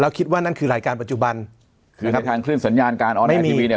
คิดว่านั่นคือรายการปัจจุบันคือครับทางคลื่นสัญญาณการออนแอร์ทีวีเนี่ย